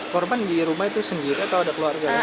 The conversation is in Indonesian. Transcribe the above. korban di rumah itu sendiri atau ada keluarga